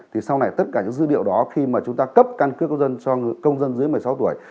thì sau này tất cả những dữ liệu đó khi mà chúng ta cấp căn cước công dân cho công dân dưới một mươi sáu tuổi